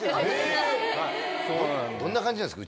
どんな感じなんですか？